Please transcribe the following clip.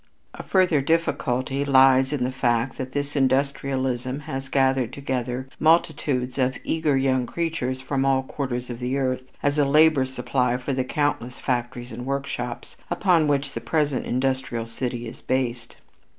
A further difficulty lies in the fact that this industrialism has gathered together multitudes of eager young creatures from all quarters of the earth as a labor supply for the countless factories and workshops, upon which the present industrial city is based.